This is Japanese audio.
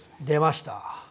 出ました！